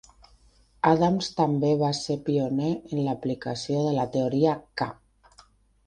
Adams també va ser pioner en l'aplicació de la teoria K.